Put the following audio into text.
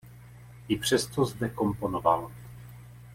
I přesto zde komponoval.